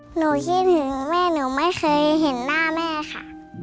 หนูคิดถึงแม่หนูไม่เคยเห็นหน้าแม่ค่ะ